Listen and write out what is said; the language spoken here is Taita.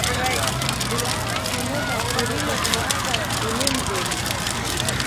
Vilasi vimu vachurilo kuaghwa skulu mzedu.